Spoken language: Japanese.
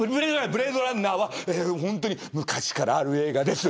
ブレードランナーは昔からある映画です。